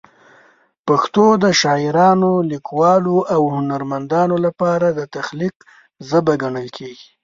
پښتو د شاعرانو، لیکوالو او هنرمندانو لپاره د تخلیق ژبه ګڼل کېږي.